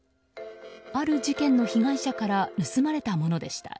ある事件の被害者から盗まれたものでした。